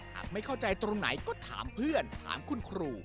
หากไม่เข้าใจตรงไหนก็ถามเพื่อนถามคุณครู